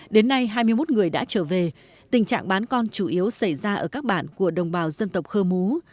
đến nay hai mươi một người đã trở về tình trạng bán con chủ yếu xảy ra ở các bản của đồng bào dân tộc khơ mú